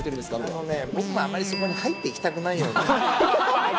あのね、僕もあまりそこに入っていきたくないような。